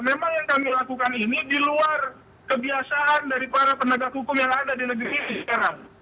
memang yang kami lakukan ini di luar kebiasaan dari para penegak hukum yang ada di negeri ini sekarang